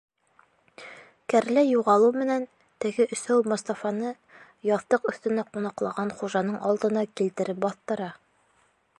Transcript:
Кәрлә юғалыу менән, теге өсәү Мостафаны яҫтыҡ өҫтөнә ҡунаҡлаған хужаның алдына килтереп баҫтыра.